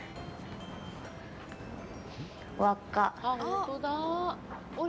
輪っか。